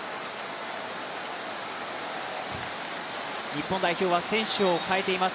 日本代表は選手を代えています。